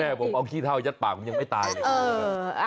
ผมเอาขี้เท่ายัดปากผมยังไม่ตายเลย